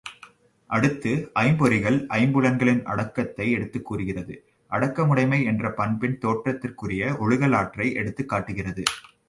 அடுத்து, ஐம்பொறிகள், ஐம்புலன்களின் அடக்கத்தை, எடுத்துக் கூறுகிறது அடக்கமுடைமை என்ற பண்பின் தோற்றத்திற்குரிய ஒழுகலாற்றை எடுத்துக் காட்டுகிறது.